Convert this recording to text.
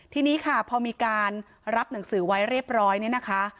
ทีนี้ค่ะพอมีการรับหนังสือไว้เรียบร้อยเนี่ยนะคะ